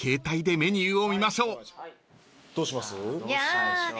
どうします？